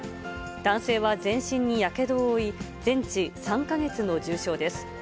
男性は全身にやけどを負い、全治３か月の重傷です。